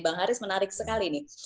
bang haris menarik sekali nih